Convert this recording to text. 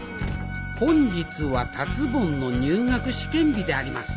本日は達ぼんの入学試験日であります。